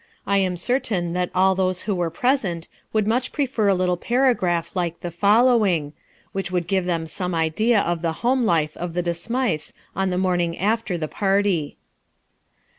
I am certain that all those who were present would much prefer a little paragraph like the following, which would give them some idea of the home life of the De Smythes on the morning after the party.